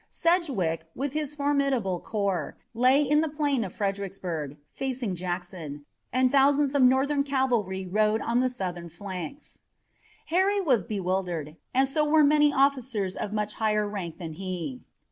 Sedgwick, with his formidable corps, lay in the plain of Fredericksburg, facing Jackson, and thousands of Northern cavalry rode on the Southern flanks. Harry was bewildered, and so were many officers of much higher rank than he.